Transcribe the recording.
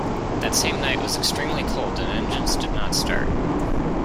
That same night was extremely cold and engines did not start.